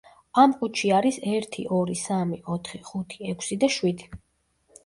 ამ ყუთში არის ერთი, ორი, სამი, ოთხი, ხუთი, ექვსი და შვიდი.